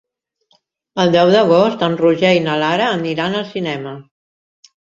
El deu d'agost en Roger i na Lara aniran al cinema.